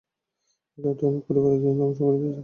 এই ধারণাটি অনেক পরিবারকে, ধ্বংস করে দিয়েছে।